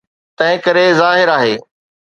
تنهنڪري ظاهر آهي.